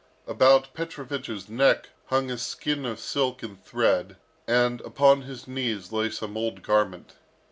About Petrovich's neck hung a skein of silk and thread, and upon his knees lay some old garment.